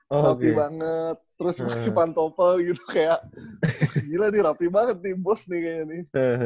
rapi banget terus pake pantofel gitu kayak gila nih rapi banget nih bos nih kayaknya nih